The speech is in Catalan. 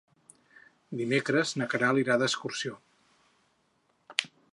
Dimecres na Queralt irà d'excursió.